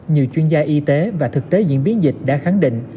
nhiều chuyên gia y tế và thực tế diễn biến dịch đã khẳng định